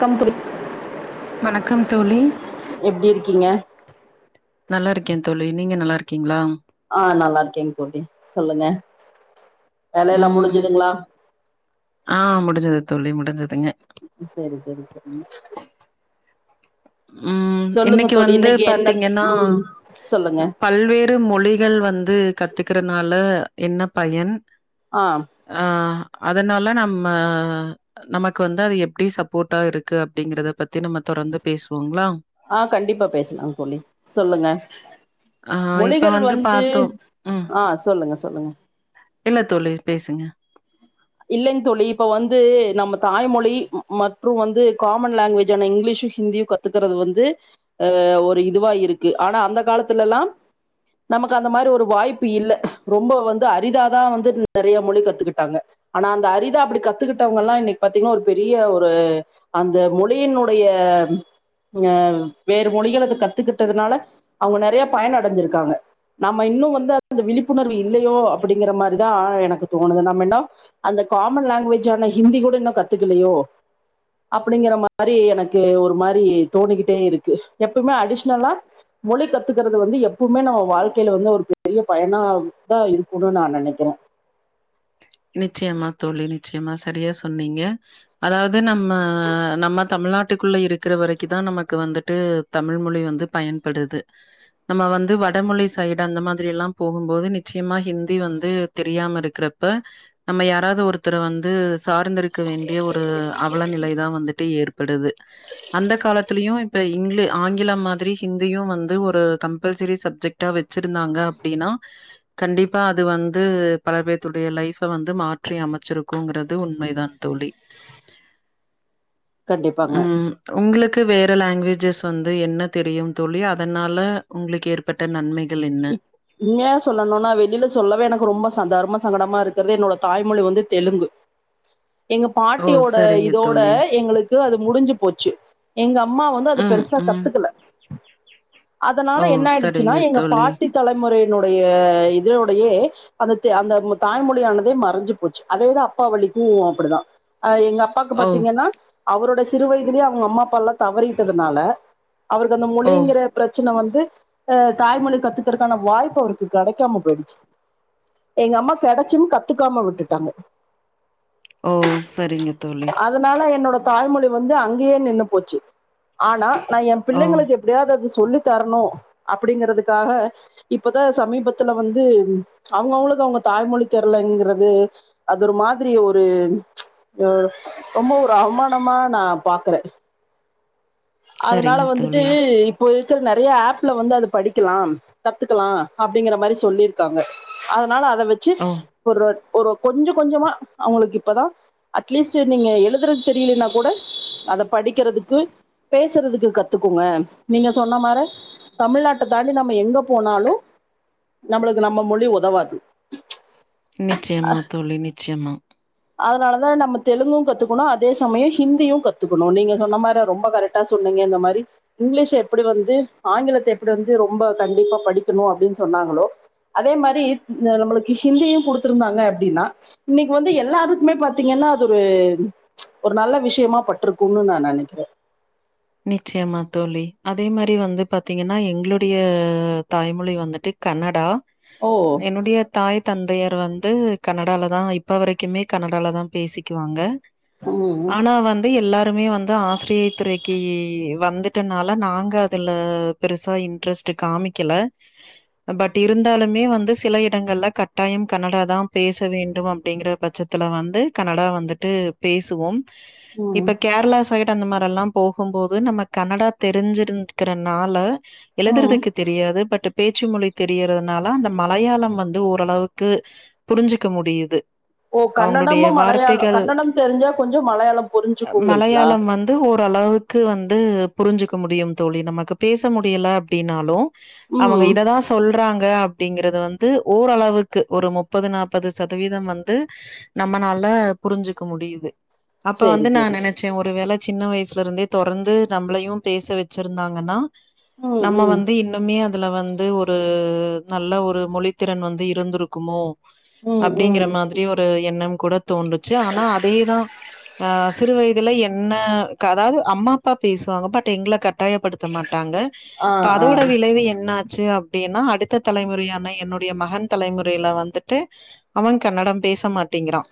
க்கம் பிரு வணக்கம் தோழி எப்டி இருக்கீங்க நல்லா இருக்கே தோழி நீங்க நல்லா இருக் கீங்களா ஆ நல்லா இருக்கேங்க தோழி சொல்லுங்க வேலையெல்லா ம் முடிஞ்சதுங்களா ஆ முடிஞ்சது தோழி முடிஞ்சதுங்க செரி செரி செரி ம் இன்னைக்கு தோழி வந்து என்ன பாத்தீங்கன்னா ம் சொல்லுங்க பல்வேறு மொழிகள் வந்து கத்துக்கறனால என்ன பயன் ஆ ஆ அதனால நம்ம நமக்கு வந்து அது எப்டி சப்போர்ட்டா இருக்கு அப்டிங்கறத பத்தி நம்ம தொடர்ந்து பேசுவோங்களா ஆ கண்டிப்பா பேசலாம்ங்க தோழி சொல்லுங்க ஆ இப்ப மொழிகள் வந்து பாத்தோ ம் ஆ சொல்லுங்க சொல்லுங்க இல்ல தோழி பேசுங்க இல்லன்னு தோழி இப்ப வந்து நம்ம தாய்மொழி மற்றும் வந்து காமன் லாங்குவேஜ் ஆனா இங்கிலீஷும் ஹிந்தியும் கத்துக்கிறது வந்து அ ஒரு இதுவா இருக்கு ஆனா அந்த காலத்துல எல்லா நமக்கு அந்த மாரி ஒரு வாய்ப்பு இல்ல ரொம்ப வந்து அரிதாதான் வந்து நெறைய மொழி கத்துக்கிட்டாங்க ஆனா அந்த அரிதா அப்டி கத்துக்கிட்டவங்க எல்லா இன்னைக்கு பாத்தீங்கன்னா ஒரு பெரிய ஒரு அந்த மொழியினுடைய அ வேறு மொழிக கத்துக்கிட்டதுனால அவங்க நிறைய பயன அடைஞ்சிருக்காங்க நம்ம இன்னும் வந்து அந்த விழிப்புணர்வு இல்லயோ அப்டிங்கிற மாரிதா எனக்கு தோணுது நம்ம என்னா அந்த காமன் லாங்குவேஜ் ஆனா ஹிந்தி கூட இன்னும் கத்துக்கலையோ அப்டிங்கிற மாரி எனக்கு ஒரு மாரி தோணிக்கிட்டே இருக்கு எப்பவுமே அடிஷனலா மொழி கத்துக்கிறது வந்து எப்பவுமே நம்ம வாழ்க்கையில வந்து ஒரு பெரிய பயனா தா இருக்கணும் நா நினைக்கிறேன் நிச்சயமா தோழி நிச்சயமா சரியா சொன்னீங்க அதாது நம்ம நம்ம தமிழ்நாட்டுக்குள்ள இருக்கிற வரைக்குதான் நமக்கு வந்துட்டு தமிழ்மொழி வந்து பயன்படுது நம்ம வந்து வடமொழி சைடு அந்த மாரி எல்லா போகும் போது நிச்சயமா ஹிந்தி வந்து தெரியாம இருக்கிறப்ப நம்ம யாராவது ஒருத்தரை வந்து சார்ந்திருக்க வேண்டிய ஒரு அவ் நிலை தா வந்துட்டு ஏற்படுது அந்த காலத்திலயும் இப்ப இங் ஆங்கில மாரி ஹிந்தியும் வந்து ஒரு கம்பல்சரி சப்ஜெக்டா வச்சிருந்தாங்க அப்டின்னா கண்டிப்பா அது வந்து பல பேர்த்தோட லைப் வந்து மாற்றி அமைச்சிருக்குங்கிறது உண்மைதான் தோழி கண்டிப்பாங்க ம் உங்குளு வேற லாங்குவேஜஸ் வந்து என்ன தெரியும் தோழி அதனால உங்களுக்கு ஏற்பட்ட நன்மை ம் இங்க சொல்லணும்னா வெளியில சொல்லவே எனக்கு ரொம்ப தர்ம சங்கடம் இருக்கிறது என்னோட தாய்மொழி வந்து தெலுங்கு எங்க ஓ! பாட்டியோட சரிங்க இதோட தோழி. எங்களுக்கு அது முடிஞ்சு போச்சு எங்க அப் அம்மா வந்து அதை ம், பெருசா ம். கத்துக்கல அதனால ஓ! என்ன ஆயிடுச்சுன்னா சரிங்க எங்க தோழி. பாட் தலைமுறையினுடைய இதலோடையே அந்த அந்த தாய்மொழியானதே மறைஞ்சு போச்சு அதோடே அப்பா வளிக்கும் அப்டிதான் எங்க அப்பாக்கு ஓ! பாத்தீங்கன்னா அவரோட சிறு வயதிலயே அவங்க அம்மா அப்பா எல்லா தவறிட்டனால அவருக்கு அந்த ஓ! மொழிங்கிற பிரச்சனை வந் க்கு தாய்மொழி கத்துக் வாய்ப்பு அவருக்கு கிடைக்காம போயிடுச்சு எங்க அம்மா கிடைச்சும் கத்துக்காம விட்டுட்டாங்க ஓ செரிங்க தோழி அதனால என்னோட தாய்மொழி வந்து அங்கயே நின்னு போச்சு ஆனா நா என் ஓ! பிள்ளைங்களுக்கு எப்டியாவது அது சொல்லி தரணு அப்டிங்கறதுக்காக இப்பதா சமீபத்துல வந்து அவங்கவுங்களுது அவங்க தாய்மொழி தெரலங்கிறது அது ஒரு மாதிரி ஒரு அ ரொம்ப ஒரு அவமானமா நா பாக்குறே அதானால சரிங்க வந்துட்டு தோழி. இப்ப இருக்குற நெறைய ஆப்லா வந்து அது படிக்காலா கத்துக்காலா அப்டிங்கற மாரி சொல்லிருக்காங்க இதானால அதாவச்சி ஓ! போற ஒரு கொஞ்ச கொஞ்சமா அவங்களுக்கு இப்பாதா அட்லீஸ்ட் நீங்க எழுதுறது சாரியில்லனா கூட அத படிக்கறத்துக்கு பேசறத்துக்கு கத்துக்கோங்க நீங்க சொன்ன மாரா தமிழ் நாட்டுதாண்டி நம்ப எங்க போனலு நம்பாளுக்கு நம்ம மொழி உதாவது நிச்சயமா தோழி நிச்சயமா அதனாலதா நம்ப தெலுங்கு கத்துக்கனு அதே சமயோ ஹந்தியு கத்துக்கனு நீங்க சொன்ன மாரி ரெம்பா கரெக் ட்டா சொன்னிங்க இந்த மாரி இங்கிலீஷ் எப்டி வந்து ஆங்கிலத்த எப்டி வந்து ரொம்ப கண்டிப்பா படிக்கனு அப்டின் சொன்னாங்களோ அதே மாரி இந்த நம்மளுக்கு ஹிந்தியு குடுத்துருந்தாங்க அப்டின்னா இன்னிக்கு வந்து எல்லாருக்குமே பாத்தீங்கன்னா அது ஒரு ஒரு நல்ல விஷயமா பட்டுருக்குனு நா நெனைக்கிறே நிச்சயாம தோழி அதோ மாரி வந்து பாத்திங்கன்னா எங்களுடைய தாய் மொழி வந்துட்டு கன்னாட ஓ என்னுடைய தாய் தந்தையர் ட்டு வந்து கனடாலதா இப்பவரைக்குமே கனடாலதா பேசிக்குவாங்க ம் ஆனா வந்து எல்லார் ட்டுமே வந்து ஆசிரியை துறைக் க்கே வந்துட்டுனலா நாங்க அதல பெருசா இன்ரட்ஸ்ட் காமிக்கல பட் இருந்தாலுமே வந்து சில இடங்கால கட்டாயம் கனடாதா பேச வேண்டு அப்டிங்கற பட்ச்சதுலா வந்து கனடா வந்து பேசுவேம் ம் இப்ப கேரளா சை ட்டு அந்த மாரில்லா போகும்போது நம்ம கன்னடா தெரிஞ்ங்க்குற நாள ம் எழுதுதறதுக்கு தெரியாத பட் பேச்சு மொழி தெரியுரதுனாலா அந்த மாலையாளம் வந்து ஓரளவுக்கு புரிஞ்சிக் முடியுது ஓ அவங்களுடைய கன்னடமும் மலையாள வார்த்தைகள் கன்னடம் தெரிஞ்சா கொஞ்சம் மலையாளம் புரிஞ்சிக்குங்கிறிங்களா ரளவுக்கு வந்து புரிஞ்சிக முடியு தோழி நமக்கு பேச முடியல அப்டினாலு அவங்க ம் இதுதா சொல்றாங் ங்கா அப்டிங்கறத வந்து ஓரளவுக்கு ஒரு முப்பது நாப்பது சதவீதம் வந்து நம்மனால புரிஞ்சிக்க முடியுது அப்ப சரி வந்து நா சரி சரி நெனச்சே ஒரு வேல சின்ன வயசு த்து இருந்தே தொரந்து நம்பளையே பேச வெச்சிருந்தாங்கனா ம் நம்ம ம் வந்து இன்னுமே அ இதுலா வந்து ஒரு நல்ல ஒரு மொழி திறன் இருந்திருக்குமோ ம் அப்டிங்கிற ம் மாரி ஒரு எண்ணம் கூட தோன்றுச்சி ஆன அதேதா ஆ சிரு வயதுலா என்னா கதாவது அம்மா அப்பா பேசுவாங்கா பட் எங்களக ட்டாயபடுத்தமாட்டங்க ஆ இப்ப ஆ அதோட விளைவு என்னா ச்சி அப்டினா அடுத்த தலைமுறையான என்னுடைய மகன்க தலைமுறைல வந்துட்டு அவன் கன்னடம் பேசமாட்டிங்கிறா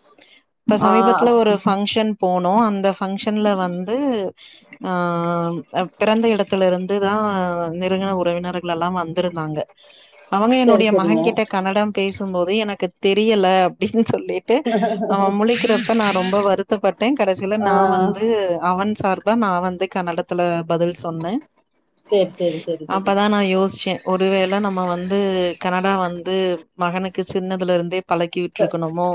ப்பா ஆ சமீபத்துல ஒரு ஃபங்ஷன் போன் நோவந் ந்தா ஃபங்ஷன்ல வந் து ஆ பிறந்த இடத்துல இருந்துதா நெறுங்கன உறவினர்கள் எல்லா வந்திருந்தாங்க அவங்க சரி என்னுடைய சரிங்க மகன் கிட்ட கன்னடம் பேசும்போது எனக்கு தெரியல அப்டி னு சொல்லிட்டு அவ முழிக்கிறப்ப நா ரொம்ப வருத்தப்பட் டே கடைசியில ஆ நா வந்து ன் சார்பா நா வந்து கன்னடத்துல பதில் சொன்னே சரி சரி சரி சரி அப்பதா நா யோசிச்சே ஒருவேளை நம்ம வந் து கன்னடா வந்து மகனுக்கு சின்னதுல இருந்தே பழக்கி த விட்ருக்கணுமோ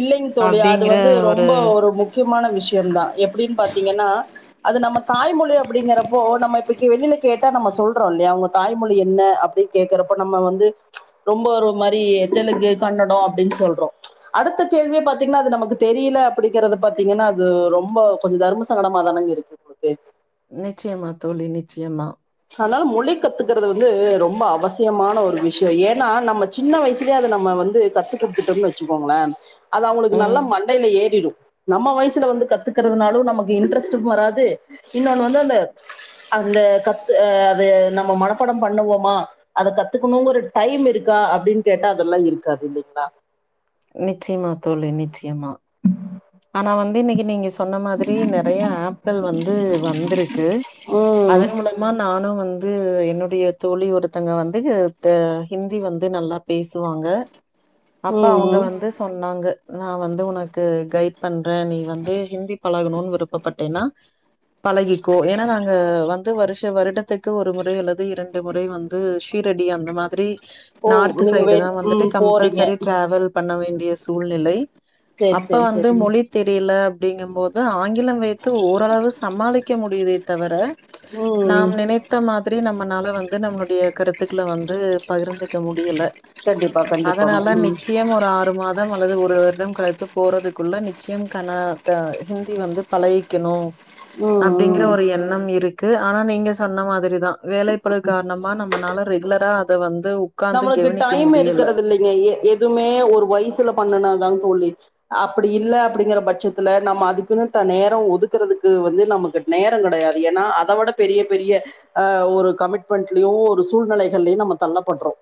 இல்லைங் தோழி அது வந்து ரொம்ப ஒரு முக்கியமான விஷ்யோ தா எப்பிடின் பாத் திங்கன்னா அது நம்ம தாய்மொழி அப்பிடிங்கறப்போ நம்ம இப்பக்கி வெளியில கேட்டா நம்ம சொல்றோ இல்லையா உங்க தாய்மொழி என்ன அப்டி கேக்கறப்போ நம்ம வந்து ரொம்ப ஒரு மாரி தெலுங்கு கன்னடோ ப்பிடின் சொல்றோ அடுத்த கேள்வியே பாத்தீங்கன்னா அது நமக்கு தெரியல அப்டிங்கிறது பாத்தீங்கன்னா அது ரொம்ப கொஞ்ச தரும சங்கடமா தானங்க இருக்கு நிச்சயமா தோழி நிச்சயமா அனால மொழி கத்துக்கறத வந்து ரொம்ப அவசியமான ஒரு விஷ்யோ ஏன்னா நம்ம சின்ன வயசுலயே அத நம்ம வந்து கத்துக்குடுத்துட்டம் வச்சுக்கோங்கள அது அவங்களுக்கு நல்லா ம் மண்டையில ஏறிரு நம்ம வயசுல வந்து கத்துக்கறதுனாலு நமக்கு இன்ட்ரெஸ்டு வராது இன்னொன்னு வந்து அந்த அந்த க து அது நம்ம மனப்பாடம் பண்ணுவோமா அத கத்துக்கணுங்கற டைம் இருக்கா அப்டின்னு கேட்டா அதெல்லா இருக்காது இல்லிங்களா நிச்சயமா தோழி நிச்சயமா ஆனா வந்து இன்னிக்கு நீங்க சொன்ன மாதிரி நெறைய ஆப்பிள் வந்து வந்திருக்கு ம் அதன் மூலமா நானு வந் ந்து என்னுடைய தோழி ஒருத்தங்க வந்து த ஹிந்தி வந்து நல்லா பேசுவாங்க அப்ப அவங்க ம் வந்து சொன்னாங்க நா வந்து உனக்கு கைட் பண்றே நீ வந்து ஹிந்தி பழகணுன் விருப்பப்பட்டேன்னா பழகிக்கோ ஏன்னா நாங்க வந்து வருஷ வருடத்துக்கு ஒரு முறை அல்லது இரண்டு முறை வந்து ஷீரடி அந்த மாதிரி ஓ நார்த் நீங்க வே சைடுதா வந்துட்டு ம் போறீங்க கம்பல்சரி டிராவல் பண்ண வேண் ய சூழ்நிலை சேரி செரி செ து மொழி தெரியல அப்டிங்கும் போது ஆங்கிலம் வைத்து ஓரளவு சமாளிக்க முடியுதே தவிர நாம் ம் நினைத்த மாதிரி நம் மனால வந்து நம்முடைய கருத்துக்கள வந்து பகிர்ந்துக்க முடியல கண்டிப்பா கண்டிப்பாங்க அதனால ம் நிச்சயம் ஒரு ஆறு மா தம் அல்லது ஒரு வருடம் கழித்து போறது க்குள்ள நிச்சயம் கன்ன த ஹிந்தி வந்து பழகிக்கணு ம் அப்டிங்கிற ம் ஒரு எண்ணம் இரு க்கு ஆனா நீங்க சொன்ன மாதிரிதா வேலைப்பளு காரணமா நம்மனால ரெகுலரா அத வந் நம்மளுக்கு டைம் இருக்கறது இல்லைங்க எ எதுமே ஒரு வயசுல பண்ணுனாதா தோழி அப்பிடி இல்ல அப்பிடிங்கற பட்சத்துல நம்ம அதுக்குன்னு த நேரோ ஒதுக்குறதுக்கு வந்து நமக்கு நேரங் கெடையாது ஏன்னா அத விட பெரிய பெரிய ஆ ஒரு கமிட்மெண்ட்லயு ஒரு சூழ்நெலைகள்லயு நம்ம தள்ளப்பட்றோ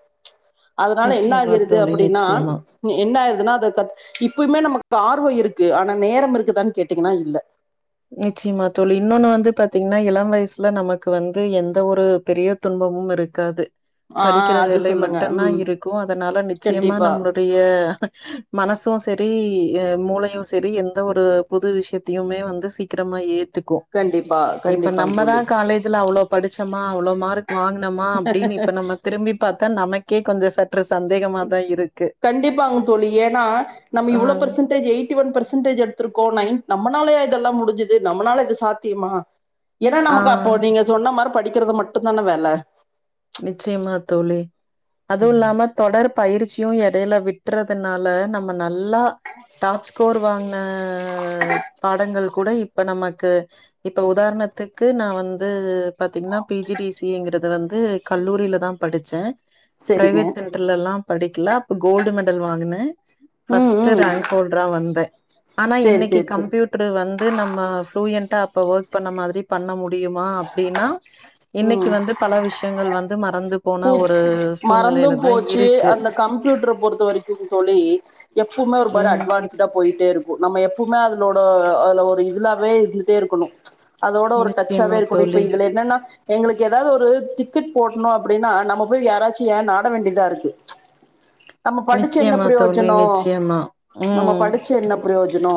அதனால என்ன நிச்சயமா ஆகிருது தோழி, அப்பிடின்னா நிச்சயமா. ம் என்ன ஆயிருதுன்னா அத தத் இப்பயுமே நம க்கு ஆர்வோ இருக்கு ஆனா நேரம் இருக்குதான்னு கேட்டீங்கன்னா இல்ல நிச்சயமா தோழி இன்னொன்னு வந்து பாத்தீங்ன்னா இளம் வயசுல நமக்கு வந்து எந்த ஒரு பெரிய துன்பமு இருக்காது ஆ படிக்கிற அது வேலை சொல்லுங்க மட்டும்தா ம் இருக்கு அதனால நிச்சயமா கண்டிப்பா நம்மளுடைய மனசு சரி யே மூளையு சரி எந்த ஒரு புது விஷயத்தையுமே வந்து சீக்கிரமா ஏத் துக்கு கண்டிப்பா இப்ப கண்டிப்பாங் நம்மதா தோழி காலேஜ்ல அவ்ளோ படிச்சமா அவ்ளோ மார்க் வாங்குனமா அப்டின்னு இப்ப நம்ம திரும்பி பாத் தா நமக்கே கொஞ்ச ச கண்டிப்பாங்க தோழி ஏன்னா நம்ம ஆ, இவ்ளோ percentage eighty one percentage எடுத்திருக்கோ நைன் நம்மனாலயா இதெல்லா முடிஞ்சுது நம்மனால இது சாத்தியமா ஏன்னா ஆ, நமக்கு அப்போ நீங்க சொன்ன மார படிக்கறது மட்டுந்தான வேல நிச்சயமா தோழி அதுவு இல்லாம தொடர் பயிற்சியு எ டையில விட்றதுனால நம்ம நல்லா டாப் ஸ்கோர் வாங்ன பாடங்கள் கூட இப்ப நம க்கு இப்ப உதாரணத்துக்கு நா வந்து பாத்தீங்ன்னா P G D C A ங்கிறது வந் கல்லூரிலதா படி ச்சே சரிங்க பிரைவேட் சென்டர்லல்லா படிக்கல அப்ப கோல்டு மெடல் வாங்குனே ம் ஃபஸ்ட்டு ம் ரேங்க் ஹோல்டரா வந்தே ஆனா சேரி இன்னக்கி சேரி சேரி கம்ப்யூட்டரு வந்து நம்ம ஃப்ளூயன்ட்டா அப்ப ஒர்க் பண்ண மாதிரி பண்ண முடியுமா அப்டின்னா இன்னக்கி வந்து பல விஷ பு மறந்தும் சூழ்நிலையில தான் போச்சு இருக்கு அந்த கம்யூட்டர பொறுத்த வரைக்கு தோழி எப் பமே ஒரு மார ம் அட்வான்ஸ்டா போய் ட்டே இருக்கு நம்ம எப்பமே அதுலோட அதுல ஒரு இதுலாவே இருந்துட்டே இருக்கணு அதோட ஒரு நிச்சயமா டச்சாவே இருக்கணு இப்ப தோழி இதுல என்னன்னா எங்களுக்கு எதாவது ஒரு டிக்கெட் போடணு அப்பிடின்னா நம்ம போய் யாராச்சிய நாட வேண்டியதா இருக்கு நம்ம படிச்சு என்ன நிச்சயமா தோழி பிரயோஜனோ நிச்சயமா நம்ம ம் படிச்சு என்ன பிரயோ ஜனோ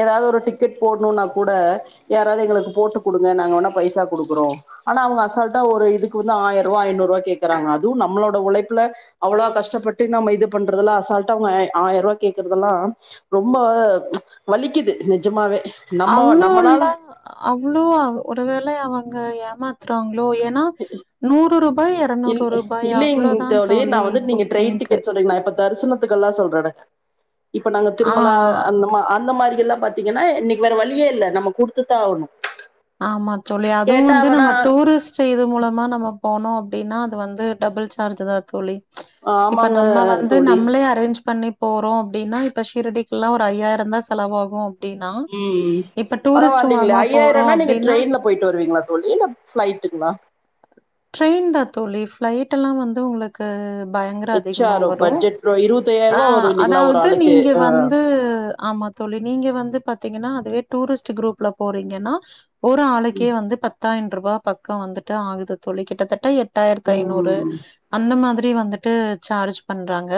ஏதாவது ஒரு டிக்கெட் போடணுன்னா கூட யாராவது எங்களுக்கு போட்டு குடுங்க நாங்க வேண்ணா பைசா குடுக்குறோ ஆனா அவங்க அசால்ட்டா ஒரு இதுக்கு வந்து ஆயர்ருவா ஐநூறுவா கேக்கறாங்க அதுவு நம்மளோட உழைப்புல அவ்ளா கஷ்டப்பட்டு நம்ம இது பண்றதல்லா அசால்ட்டா அவங்க ஏ ஆயர்ரூவா கேக்கறதெல்லா ரொம்ப வலிக்குது நிஜமாவே நம்ம அவ்ளோ நம்மனால எல்லா அவ்ளோ ஒருவேள அவங்க ஏ மாத்தறாங் களோ ஏன்னா நூறு ரூ இல் இல்லீங் தோழி நா வந்து நீங்க ட்ரெயின் டிக்கெட் சொல்றீங்க நா இப்ப தரிசனத்துக்கெல்லா சொல்றேனுங்க இப்ப நாங்க ஆ திருமலா அந்த மா அந்த மாரி ல்லா பாத்தீங்கன்னா இன்னக்கி வேற வழியே இல்ல நம்ம குடுத்துத்தா ஆவணு ஆமா தோழி அதுவு வந்து நம்ம டூரிஸ்ட் இது மூலமா நம்ம போனோ அப்டின்னா அது வந்து டபுள் சார்ஜ்தா தோழி இப்ப ஆமாங்க நம்ம வந்து தோழி நம்மளே அரேஞ்ச் பண்ணி போறோ அப்டின்னா இப்ப ஷீரடிக்கல்லா ஒரு ஐயாயிரந்தா செலவாகு அப்டின்னா ம் இப்ப டூரிஸ்ட் பரவால்லிங்களே மூலமா போறோ ஐயாயிரம்னா நீங்க அப்டின்னா ட்ரெயின்ல போயிட்டு வருவீங்களா தோழி இல்ல ஃப்ளைட்டுங்களா ட்ரெயின் தான் தோழி. ஃப்ளைட் எல்லா வந்து உங்களுக்கு பயங்கர ஹெச் அதிகமா ஆர் ஓ வரு பட்ஜெட் இருபத்தையாயிரம் ஆ ரூபா வரும் இல்லைங்களா ஒரு அதாவது ஆளுக்கு நீங்க வந்து ஆமா தோழி நீங்க வந்து பாத் தீங்கன்னா அதுவே டூரிஸ்ட்டு குரூப்ல போறீங்கன்னா ஒரு ஆளுக்கே வந்து பத் பத்தாயிர ரூபா பக்க வந்துட்டு ஆகுது தோழி கிட்டத்தட்ட எட் டாயிரத்தி ஐநூறு ம் அந்த மாதிரி [unintelligible] வந்துட்டு சார்ஜ் பண்றாங்க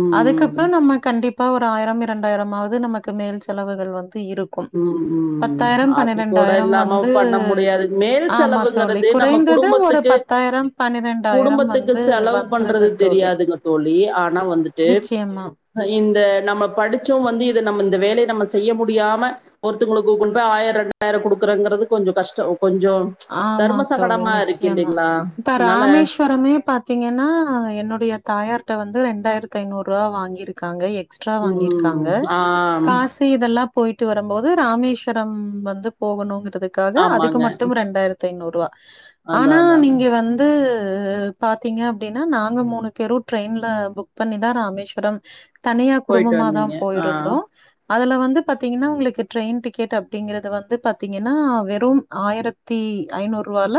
ம் அதுக்கப்புறோ நம்ம கண்டிப் அப்ப ஒரு ஆயிரம் இரண்டாயிரம்மாவது நமக்கு மேல் செலவுகள் வந் தி இருக்கு ம் ம் பத்தாயிரம் பன்னிரண்டு [unintelligible] இல்லாம பண்ண முடியாது மேல் ஆமா தோழி செலவுங்கிறது நம்ம குறைந்தது ஒரு குடும்பத்துக்கு பத்தாயிரம் பன்னிரெண்டாயிரம் குடும்பத்துக்கு வந்து செலவு வந்துருது பண்றது தோழி தெரியாதுங்க தோழி ஆனா வந்துட்டு நிச்சயமா அ இ இந்த நம்ம படிச்சு வந்து இத நம்ம இந்த வேலையை நம்ம செய்ய முடியாம ஒருத்தவங்களுக்கு கொண்டு போய் ஆயிர ரெண்டாயிரம்டுக்குறங்கது கொஞ்சோ கஷ்ட ஆமா தோழி நிச்சயமா இல்லைங்களா இப்ப அதனால ராமேஸ்வரமே பாத்தீங்கன்னா என்னுடைய தாயார் கிட்ட வந்து ரண்டாயிரத்தி ஐநூறு ரூபா வாங்கிருக்காங்க எ எஸ்ட்ரா வாங்கியிருக்காங்க உம் ஆம், காசு இதெல்லா போயிட்டு வரும்போது ராமேஸ்வரம் வந்து போகணு க்காக அதுக்கு ஆமாங்க மட் டு ரண்டாயிரத்த ஐநூறு ரூவா ஆனா அதான் அதான் நீங்க வந்து ஆ பாத்தீங்க அப்படின்னா நாங்க மூணு பேரும் ட்ரெயின்ல புக் பண்ணிதா ராமேஸ்வரம் தனியா போயிட்டு குடும்பமாதா வந்தீங்க ஆ போயிருந்தோ அதுல வந்து பாத்தீங்கன்னா உங்களுக்கு ட்ரெயின் டிக்கெட் அப்படிங்கறது வந்து பாத்தீங்கன்னா வெறும் ஆயிரத்த த்தி ஐநூறு ரூவால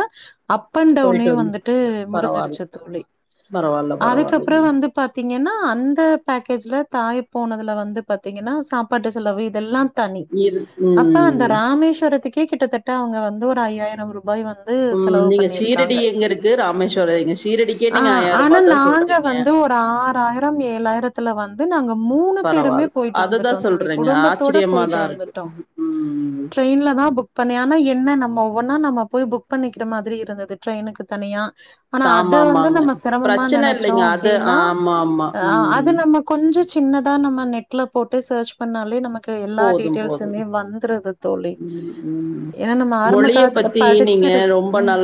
அப்பன் டவுனே போயிட்டு வந்து வந்துட்டு பரவாயில்ல முடிஞ்சிருச்சு தோழி பரவாயில்ல அதுக்கப்புறோ பரவாயில்லைங்க வந்து பா த்தீங்கன்னா அந்த பேக்கேஜ்ல தாய் போனதுல வந்து பார்த்தீங்கன்னா சாப்பாட்டு செலவு இதெல்லா தனி இரு அப்ப அந்த உம் ராமேஸ்வரத்துக் கே கிட்டத்தட்ட அவங்க வந்து ஒரு ஐயாயிரம் ரூ பாய் வந்து உம் செலவு நீங்க ஷீரடி பண்ணிருக்காங்க எங்க இருக்கு ராமேஸ்வரம் எங்க ஷீரடிக்கே ஆ நீங்க ஆயிரம் ஆனா ரூபாய் தான் நாங்க சொல்றீங்க வந்து ஒரு ஆறாயிரம் ஏழாயிரத்த த்துல வந்து நாங்க மூணு பேருமே பரவாயில்ல போயிட்டு அதை வந்துட்டோ தான் தோழி சொல்றேங்க குடும்பத்தோட ஆச்சரியமா போயிட்டு தான் இருக்கு வந்துட்டோ உம் ட்ரெயின்ல தா பு பண்ணனா என்ன நம்ம ஒன்னா நம்ம போய் புக் பண்ணிக்கிற மாதிரி இருந்தது ட்ரெயினுக்கு தனியா ஆனா அத ஆமா வந்து ஆமாங்க நம்ம சிரமமா பிரச்சன நினைச்சோ இல்லைங்க அது அப்படின்னா ஆமா ஆமா அ அது ம் நம்ம கொஞ்சோ சின்னதா நம்ம நெட்ல போட்டு சர்ச் பண்ணாலே நம க்கு எல்லா போதும் போதும் டீட்டெயல்ஸமே வந்துது தோழி ம் ம் ஏன்னா நம்ம ஆரம்ப மொழிய காலத்துல பத்தி நீங்க படிச்சிருக்கு ரொம்ப ம். நல்லா